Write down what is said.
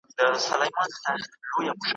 زه به نه یم ستا جلګې به زرغونې وي `